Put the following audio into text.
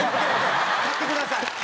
買ってください！